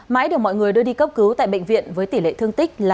mãi được mọi người đưa đi cấp cứu tại bệnh viện với tỷ lệ thương tích là ba mươi năm